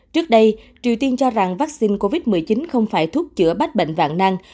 trước đây triều tiên cho rằng vaccine covid một mươi chín không phải thuốc chữa bách bệnh vạn năng